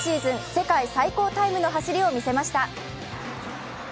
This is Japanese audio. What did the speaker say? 世界最高タイムの走りを見せました。